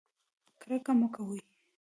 کرکه مه کوئ